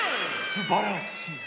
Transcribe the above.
すばらしい。